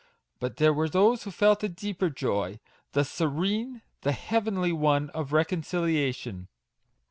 But there were those who felt a deeper joy; the serene, the heavenly one of Recon ciliation